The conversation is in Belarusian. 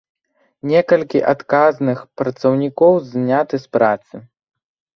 Некалькі адказных працаўнікоў зняты з працы.